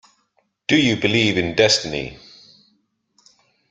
Do you believe in destiny?